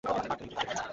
আর তুমি তো তাকে চুদছ!